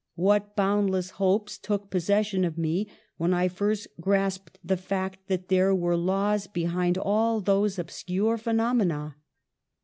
What boundless hopes took possession of me when I first grasped the fact that there were laws behind all those obscure phenomena!